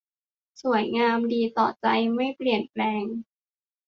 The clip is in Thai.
สวยงามดีต่อใจไม่เปลี่ยนแปลง